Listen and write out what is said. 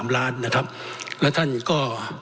๒๐๕๒๒๕๓ล้านนะครับแล้วท่านก็